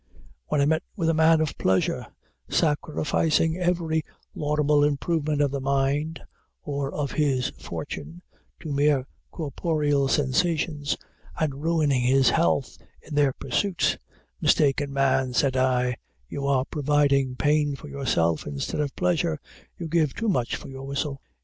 When I met with a man of pleasure, sacrificing every laudable improvement of the mind, or of his fortune, to mere corporeal sensations, and ruining his health in their pursuit, Mistaken man, said I, you are providing pain for yourself, instead of pleasure; you give too much for your whistle.